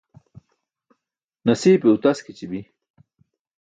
Nasiipe utaskici̇bi.